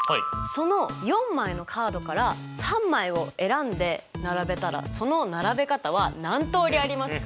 その４枚のカードから３枚を選んで並べたらその並べ方は何通りありますか？